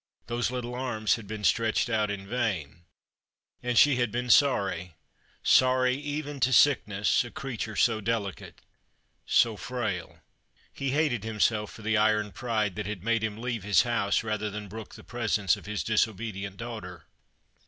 Those little arms had been stretched out in vain. And she had been sorry — sorry even to sickness — a creature so delicate — so frail. He hated The Christmas Hirelings. 249 himself for the iron pride that had made him leave his house rather than brook the presence of his disobedient daughter.